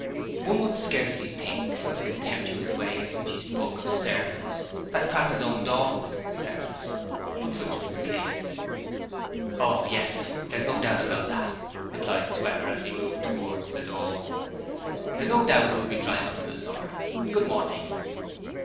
One would scarcely think, from the contemptuous way in which he spoke of 'servants' that Crass's own daughter was 'in service', but such was the case. 'Oh, yes, there's no doubt about that,' replied Sweater as he moved towards the door; 'there's no doubt it will be dry enough in the summer. Good morning.'